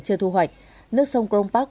chưa thu hoạch nước sông krongpak